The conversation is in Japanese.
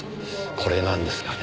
これなんですがね。